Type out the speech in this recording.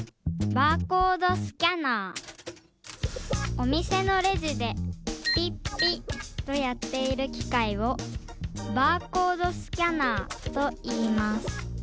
おみせのレジでピッピッとやっているきかいをバーコードスキャナーといいます。